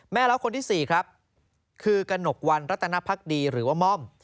เล่าคนที่๔ครับคือกระหนกวันรัตนภักดีหรือว่าม่อม